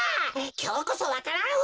きょうこそわか蘭を！